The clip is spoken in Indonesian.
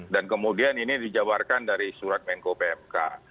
dan kemudian ini dijabarkan dari surat menko pmk